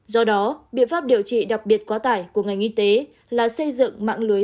do đó biện pháp điều trị đặc biệt quá tải của ngành y tế là xây dựng mạng lưới